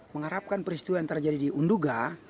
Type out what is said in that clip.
mengharapkan peristiwa yang terjadi di unduga